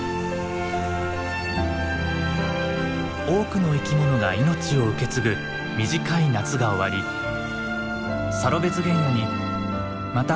多くの生き物が命を受け継ぐ短い夏が終わりサロベツ原野にまた秋が訪れます。